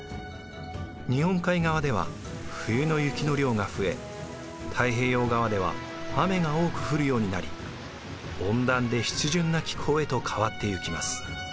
日本海側では冬の雪の量が増え太平洋側では雨が多く降るようになり温暖で湿潤な気候へと変わっていきます。